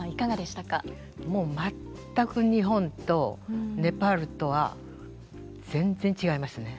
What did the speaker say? もう全く日本とネパールとは全然違いますね。